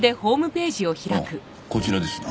あっこちらですな。